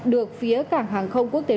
được phía cảng hàng không quốc tế